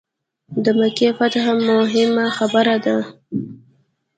د مکې فتح موهمه خبره ده.